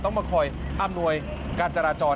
ต้องมาคอยอำนวยการจราจร